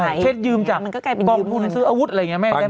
ใช่เชฟยืมจากกองทุนคืนซื้ออาวุธอะไรแม่งใช่ไหม